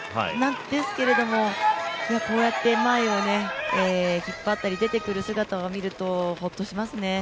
ですけども、こうやって前を引っ張ったり出てくる姿を見るとホッとしますね。